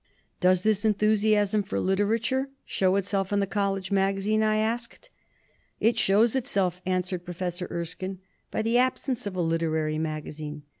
"Does this enthusiasm for literature show it self in the college magazine?" I asked. "It shows itself," answered Professor Er skine, "by the absence of a literary magazine.